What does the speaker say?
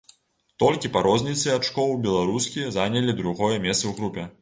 Толькі па розніцы ачкоў беларускі занялі другое месца ў групе.